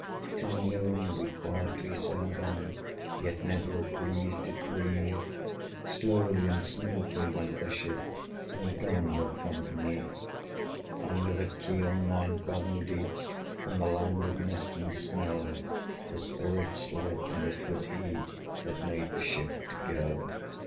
Till noon we quietly sailed on, Yet never a breeze did breathe: Slowly and smoothly went the ship, Moved onward from beneath. Under the keel nine fathom deep, From the land of mist and snow, The spirit slid: and it was he That made the ship to go.